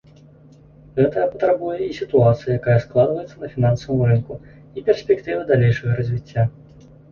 Гэтага патрабуе і сітуацыя, якая складваецца на фінансавым рынку, і перспектывы далейшага развіцця.